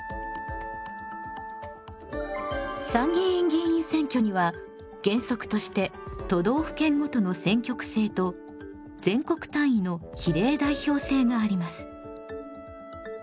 参議院議員選挙には原則として都道府県ごとの選挙区制と全国単位の比例代表制があります。